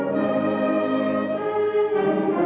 lagu kebangsaan indonesia raya